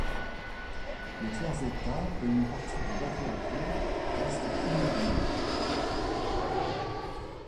Le tiers état et une partie du bas clergé restent immobiles.